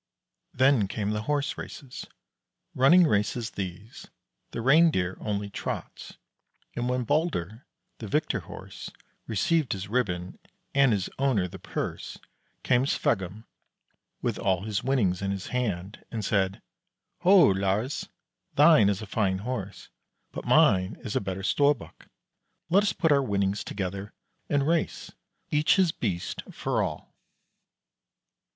Then came the Horse races, running races these; the Reindeer only trots, and when Balder, the victor Horse, received his ribbon and his owner the purse, came Sveggum with all his winnings in his hand, and said: "Ho, Lars, thine is a fine Horse, but mine is a better Storbuk; let us put our winnings together and race, each his beast, for all."